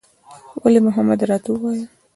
ولي محمد راته وويل.